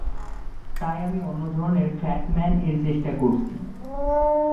তাই আমি অন্য ধরনের ফ্যাট ম্যান-এর চেষ্টা করছি।